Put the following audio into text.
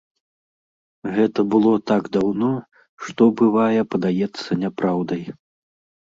Гэта было так даўно, што, бывае, падаецца няпраўдай.